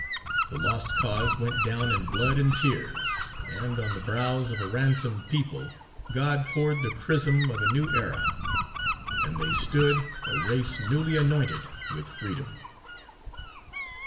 The lost cause went down in blood and tears, and on the brows of a ransomed people God poured the chrism of a new era, and they stood a race newly anointed with freedom.